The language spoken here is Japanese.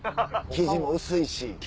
生地も薄いし。